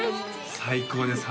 最高です